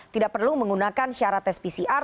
tidak perlu menggunakan syarat tes pcr